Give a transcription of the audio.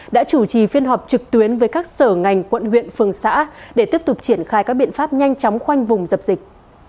đã chủ trì phiên họp trực tuyến với các sở ngành quận huyện phường xã để tiếp tục triển khai các biện pháp nhanh chóng khoanh vùng dập dịch